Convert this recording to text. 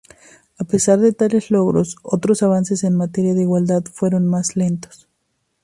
A pesar de tales logros otros avances en materia de igualdad fueron más lentos.